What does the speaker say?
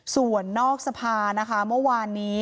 ส่วนนอกสภานะคะเมื่อวานนี้